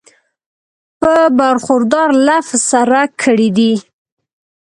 پۀ برخوردار لفظ سره کړی دی